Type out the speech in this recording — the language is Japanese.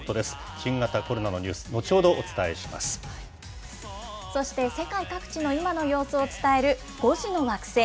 新型コロナのニュース、後ほどおそして世界各地の今の様子を伝える５時の惑星。